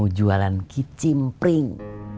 mau jualan kicim pring